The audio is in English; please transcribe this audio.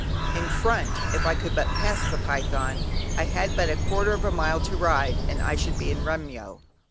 In front, if I could but pass the python, I had but a quarter of a mile to ride and I should be in Remyo.